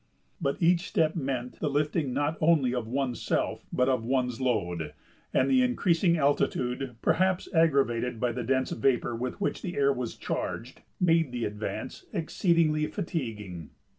But each step meant the lifting not only of oneself but of one's load, and the increasing altitude, perhaps aggravated by the dense vapor with which the air was charged, made the advance exceedingly fatiguing.